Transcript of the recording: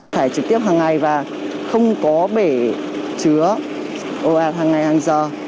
thải trực tiếp hàng ngày và không có bể chứa ồ ạt hàng ngày hàng giờ